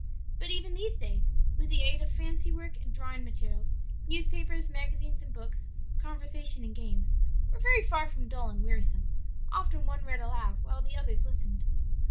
But even these days, with the aid of fancy work, and drawing materials, newspapers, magazines and books, conversation and games, were very far from dull and wearisome; often one read aloud while the others listened.